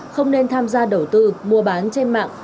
không nên tham gia đầu tư mua bán trên mạng